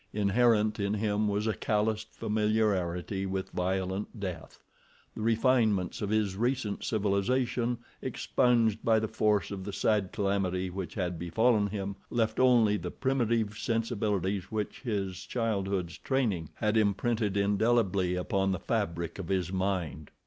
Inherent in him was a calloused familiarity with violent death. The refinements of his recent civilization expunged by the force of the sad calamity which had befallen him, left only the primitive sensibilities which his childhood's training had imprinted indelibly upon the fabric of his mind.